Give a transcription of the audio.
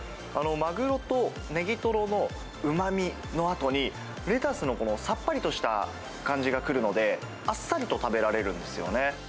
マグロとネギトロのうまみのあとに、レタスのさっぱりとした感じが来るので、あっさりと食べられるんですよね。